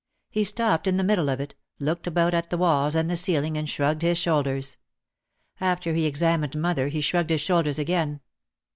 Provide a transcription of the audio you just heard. He stopped in the middle of it, looked about at the walls and the ceiling, and shrugged his shoulders. After he examined mother he shrugged his shoulders again.